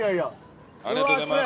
ありがとうございます。